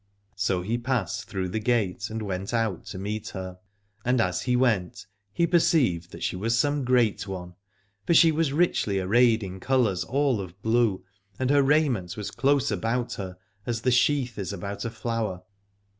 So he passed through the gate and went out to meet her. And as he went he perceived that she was some great one, for she was richly arrayed in colours all of blue, and her raiment was close about her as the sheath is about a flower.